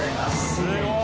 すごい！